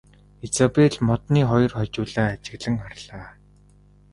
Изабель модны хоёр хожуулаа ажиглан харлаа.